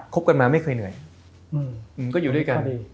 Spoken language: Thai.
บกันมาไม่เคยเหนื่อยก็อยู่ด้วยกัน